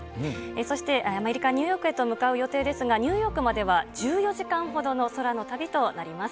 そして、アメリカ・ニューヨークへと向かう予定ですが、ニューヨークまでは１４時間ほどの空の旅となります。